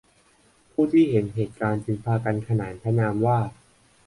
ผู้ที่เห็นเหตุการณ์จึงพากันขนานพระนามว่า